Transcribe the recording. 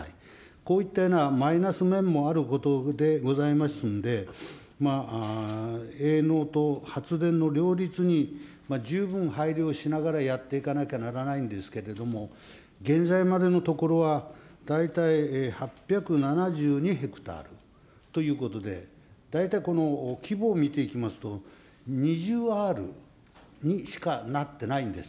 こういったようなマイナス面もあることでございますんで、営農と発電の両立に十分配慮しながらやっていかなきゃならないんですけれども、現在までのところは、大体８７２ヘクタールということで、大体この規模を見ていきますと、２０アールにしかなってないんです。